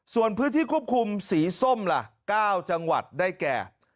ส่วนพื้นที่ควบคุมสีส้มล่ะ๙จังหวัดได้แก่